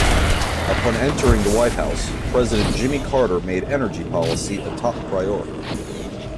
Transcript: Upon entering the White House, President Jimmy Carter made energy policy a top priority.